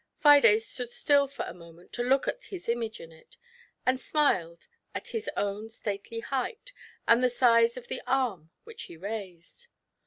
Fides stood still for a moment to look at his image in it, and smiled at his own stately height, and the size of the arm which he raised.